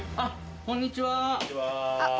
こんにちは。